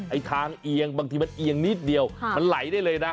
ไอ้ทางเอียงบางทีมันเอียงนิดเดียวมันไหลได้เลยนะ